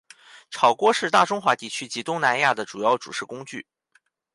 炒锅是大中华地区及东南亚的主要煮食工具。